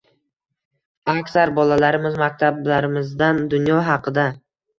Aksar bolalarimiz maktablarimizdan dunyo haqida